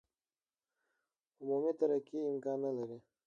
عمومي ترقي امکان نه لري.